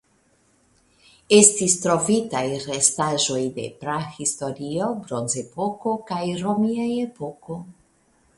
Estis trovitaj restaĵoj de prahistorio (Bronzepoko) kaj romia epoko.